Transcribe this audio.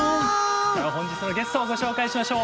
では本日のゲストをご紹介しましょう。